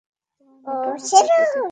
তোমার মোটা মাথার প্রতীক হিসেবে ম্যামথ?